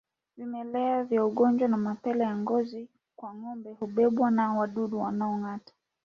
Vimelea vya ugonjwa wa mapele ya ngozi kwa ngombe hubebwa na wadudu wanaongata